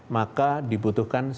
maka dibutuhkan sinergi